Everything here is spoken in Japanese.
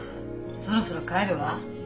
そろそろ帰るわ。